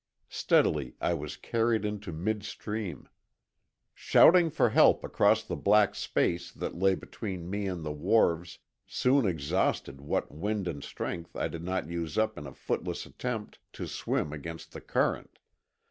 Steadily I was carried into mid stream. Shouting for help across the black space that lay between me and the wharves soon exhausted what wind and strength I did not use up in a footless attempt to swim against the current.